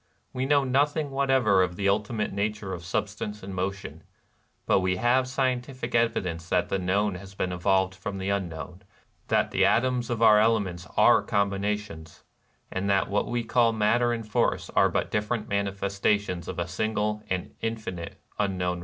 We know nothing whatever of the ultimate nature of substance and motion : but we have scientific evidence that the known has been evolved from the unknown ; that the atoms of our elements are combinations ; and that what we call matter and force are but dif ferent manifestations of a single and infinite Unknown Eeality.